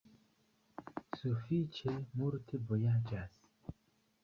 Sufiĉe multe vojaĝas.